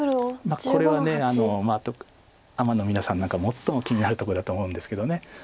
まあこれはアマの皆さんなんか最も気になるとこだと思うんですけど。